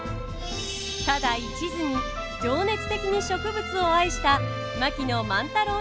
ただいちずに情熱的に植物を愛した是非ご覧ください！